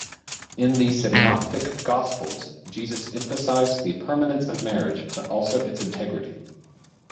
In the synoptic Gospels, Jesus emphasized the permanence of marriage, but also its integrity.